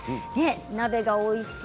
鍋がおいしい